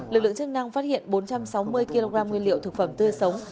lực lượng chức năng phát hiện bốn trăm sáu mươi kg nguyên liệu thực phẩm tươi sống